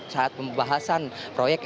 saat pembahasan proyek